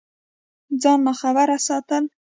ځان ناخبره ساتل